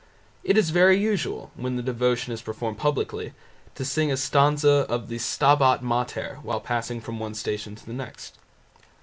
It is very usual, when the devotion is performed publicly, to sing a stanza of the "Stabat Mater" while passing from one Station to the next.